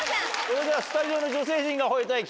それではスタジオの女性陣が吠えたい